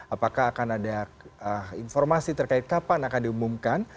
apakah akan ada informasi terkait kapan akan diumumkan